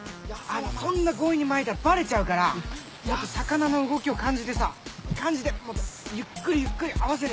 こんな強引に巻いたらバレちゃうからもっと魚の動きを感じてさ感じてもっとゆっくりゆっくり合わせて。